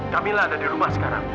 kamilah ada di rumah sekarang